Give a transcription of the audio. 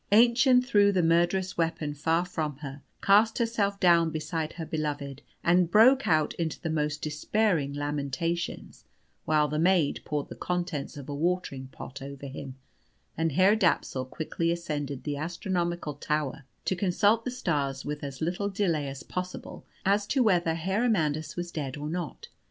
Aennchen threw the murderous weapon far from her, cast herself down beside her beloved, and broke out into the most despairing lamentations, whilst the maid poured the contents of a watering pot over him, and Herr Dapsul quickly ascended the astronomic tower to consult the stars with as little delay as possible as to whether Herr Amandus was dead or not.